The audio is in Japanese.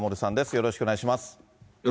よろしくお願いします。